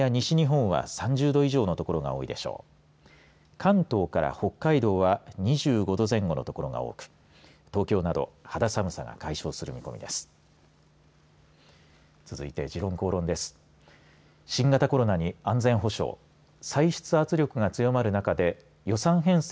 関東から北海道は２５度前後の所が多く東京など肌寒さが解消する見込みです。